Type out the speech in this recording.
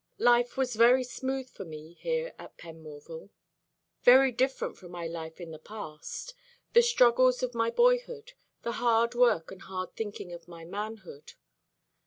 Life was very smooth for me here at Penmorval. Very different from my life in the past; the struggles of my boyhood; the hard work and hard thinking of my manhood.